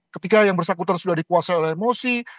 ketika yang bersangkutan sudah dikuasai oleh emosi